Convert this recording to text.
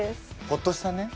ほっとしたね。